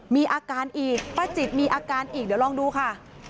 มีอาการอีกป้าจิตมีอาการอีกเดี๋ยวลองดูค่ะ